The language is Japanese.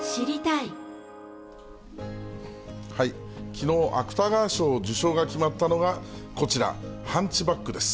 きのう、芥川賞受賞が決まったのが、こちら、ハンチバックです。